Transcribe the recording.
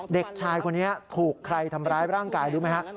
เด็กชายคนนี้ถูกใครทำร้ายร่างกายรู้ไหมฮะ